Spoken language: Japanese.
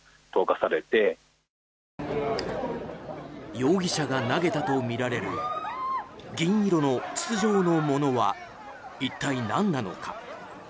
容疑者が投げたとみられる銀色の筒状のものは一体何なのか。